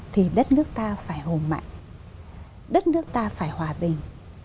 thì đất nước ta phải hồ mạnh đất nước ta phải hòa bình